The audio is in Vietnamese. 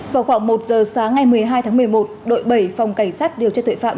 vào khoảng một giờ sáng ngày một mươi hai tháng một mươi một đội bảy phòng cảnh sát điều tra tội phạm